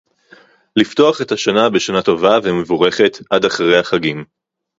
לפתוח את השנה בשנה טובה ומבורכת עד אחרי החגים